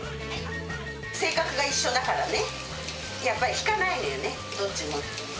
性格が一緒だからね、やっぱり引かないんだよね、どっちも。